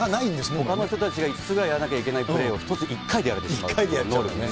ほかの人たちが５つぐらいやらなきゃいけないプレーを１つ１１回でやっちゃう。